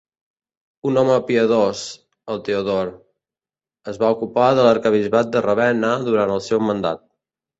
Un home piadós, el Theodore, es va ocupar de l'Arquebisbat de Ravenna durant el seu mandat.